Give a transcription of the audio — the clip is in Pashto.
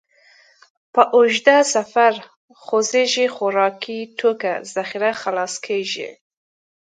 په اوږده سفر خوځېږئ، خوراکي توکو ذخیره خلاصه کېږي.